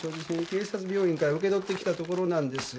警察病院から受け取ってきたところなんです。